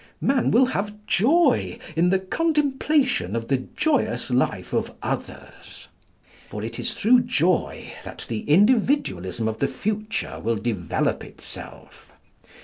Man will have joy in the contemplation of the joyous life of others. For it is through joy that the Individualism of the future will develop itself.